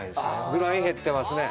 ぐらい減ってますね。